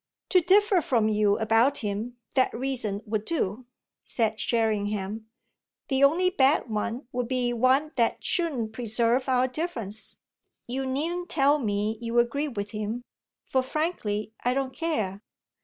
"To differ from you about him that reason would do," said Sherringham. "The only bad one would be one that shouldn't preserve our difference. You needn't tell me you agree with him, for frankly I don't care."